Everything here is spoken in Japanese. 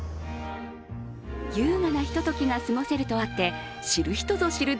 優雅なひとときが過ごせるとあって知る人ぞ知る